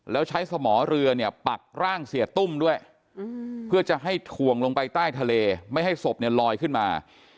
แล้วใช้สมอเรือเนี่ยปักร่างเสียตุ้มด้วยเพื่อจะให้ถ่วงลงไปใต้ทะเลไม่ให้ศพเนี่ยลอยขึ้นมา